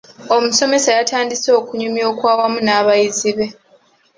Omusomesa yatandise okunyumya okwawamu n'abayizi be.